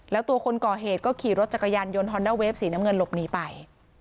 แล้วตัวคนก่อเหตุก็ขี่รถจักรยานยนต์ฮอนด้าเวฟสีน้ำเงินหลบหนีไป